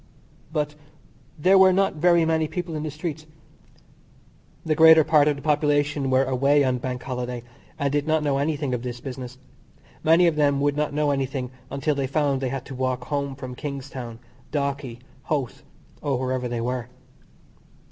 But there were not very many people in the streets. The greater part of the population were away on Bank Holiday, and did not know anything of this business. Many of them would not know anything until they found they had to walk home from Kingstown, Dalkey, Howth, or wherever they were.